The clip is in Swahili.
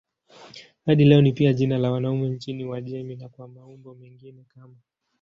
Hadi leo ni pia jina la wanaume nchini Uajemi na kwa maumbo mengine kama